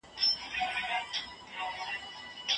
بهرنۍ پالیسي د ملي حاکمیت او ازادۍ دفاع کوي.